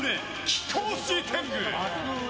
貴公子天狗！